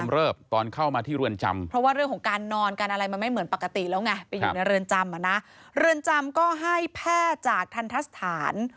เรือนจำก็ให้แพ่จากทันทสฐาน